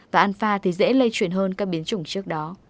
và alpha dễ lây truyền hơn delta